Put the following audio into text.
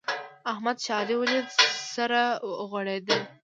احمد چې علي وليد؛ سره غوړېدل.